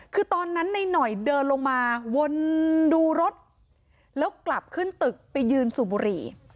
คือตอนนั้นในหน่อยเดินลงมาวนดูรถแล้วกลับขึ้นตึกไปยืนสูบบุหรี่